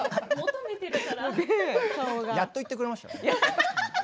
やっと言ってくれましたね。